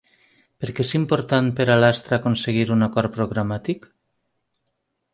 Per què és important per a Lastra aconseguir un acord programàtic?